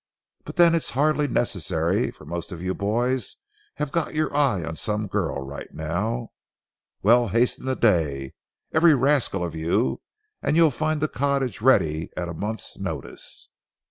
But then it's hardly necessary, for most of you boys have got your eye on some girl right now. Well, hasten the day, every rascal of you, and you'll find a cottage ready at a month's notice."